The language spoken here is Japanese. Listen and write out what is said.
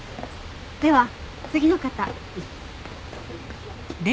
では次の方。